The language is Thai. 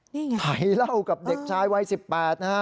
ไถเหล้ากับเด็กชายวัย๑๘นะฮะ